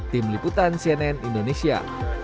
tim liputan cnn indonesia